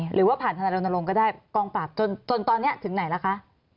หรือว่าผ่านทนายรณรงค์ก็ได้กองปราบจนตอนนี้ถึงไหนล่ะคะ